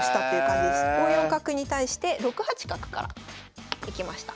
５四角に対して６八角からいきました。